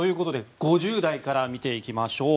５０代から見ていきましょう。